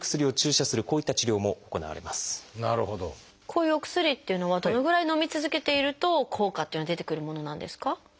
こういうお薬っていうのはどのぐらいのみ続けていると効果っていうのが出てくるものなんですか？